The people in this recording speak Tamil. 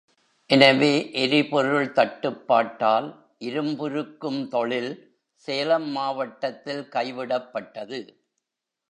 எனவே எரிபொருள் தட்டுப்பாட்டால் இரும்புருக்கும் தொழில் சேலம் மாவட்டத்தில் கைவிடப் பட்டது.